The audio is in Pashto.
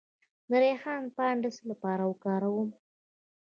د ریحان پاڼې د څه لپاره وکاروم؟